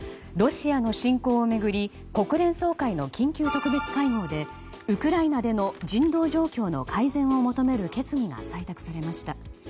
ロシアの侵攻を巡り国連総会の緊急特別会合でウクライナでの人道状況の改善を求める決議が採択されました。